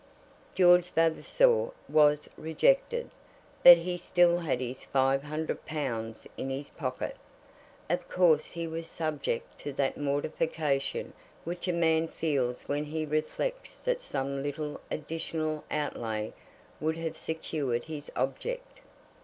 George Vavasor was rejected, but he still had his five hundred pounds in his pocket. Of course he was subject to that mortification which a man feels when he reflects that some little additional outlay would have secured his object.